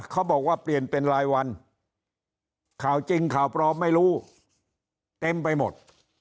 เขาบอกว่าเปลี่ยนเป็นรายวันข่าวจริงข่าวปลอมไม่รู้เต็มไปหมด